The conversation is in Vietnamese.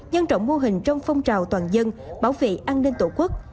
nhân rộng mô hình trong phong trào toàn dân bảo vệ an ninh tổ quốc